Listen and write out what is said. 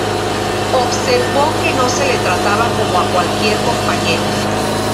observó que no se le trataba como a cualquier compañero